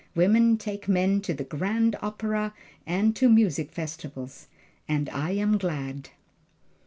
Women take men to the Grand Opera and to Musical Festivals and I am glad.